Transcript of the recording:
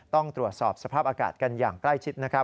ต้องตรวจสอบสภาพอากาศกันอย่างใกล้ชิดนะครับ